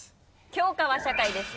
教科は社会です。